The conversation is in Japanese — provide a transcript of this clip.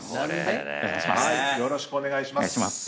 よろしくお願いします。